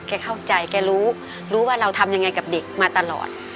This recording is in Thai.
เข้าใจแกรู้รู้ว่าเราทำยังไงกับเด็กมาตลอด